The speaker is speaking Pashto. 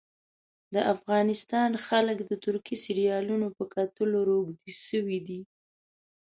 د افغانستان خلک د ترکي سیریالونو په کتلو روږدي سوي دي